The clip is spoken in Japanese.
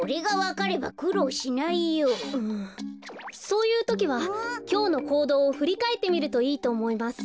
そういうときはきょうのこうどうをふりかえってみるといいとおもいます。